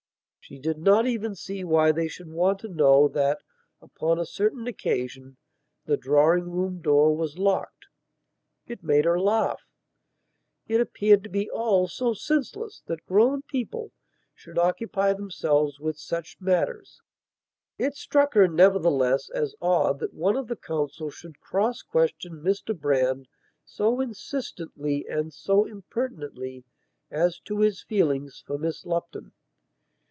She did not even see why they should want to know that, upon a certain occasion, the drawing room door was locked. It made her laugh; it appeared to be all so senseless that grown people should occupy themselves with such matters. It struck her, nevertheless, as odd that one of the counsel should cross question Mr Brand so insistently and so impertinently as to his feelings for Miss Lupton.